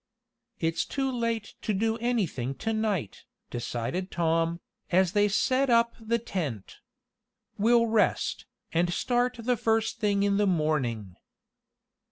"It's too late to do anything to night," decided Tom, as they set up the tent. "We'll rest, and start the first thing in the morning."